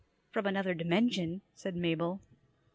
"From another dimension," said Mabel.